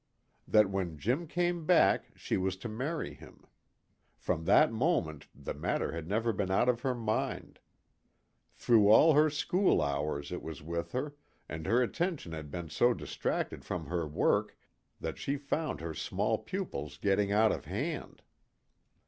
That when Jim came back she was to marry him. From that moment the matter had never been out of her mind; through all her school hours it was with her, and her attention had been so distracted from her work that she found her small pupils getting out of hand.